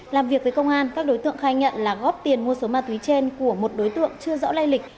làm việc với công an các đối tượng khai nhận là góp tiền mua số ma túy trên của một đối tượng chưa rõ lây lịch